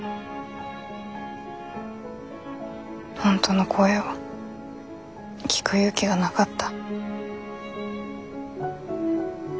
本当の声を聞く勇気がなかった。